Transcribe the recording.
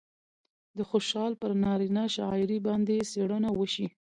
د خوشال پر نارينه شاعرۍ باندې څېړنه وشي